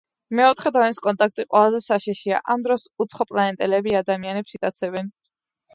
მეოთხე დონის კონტაქტი ყველაზე საშიშია, ამ დროს უცხოპლანეტელები ადამიანებს იტაცებენ.